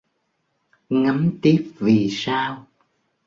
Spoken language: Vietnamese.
Ngắm tiếp vì sao